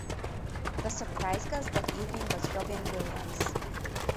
The surprise guest that evening was Robin Williams.